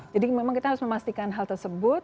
jadi memang kita harus memastikan hal tersebut